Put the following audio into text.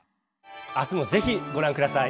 「明日もぜひご覧下さい」。